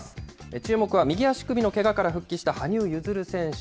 注目は右足首のけがから復帰した羽生結弦選手。